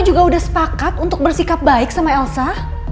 juga sudah sepakat untuk bersikap baik sama elsa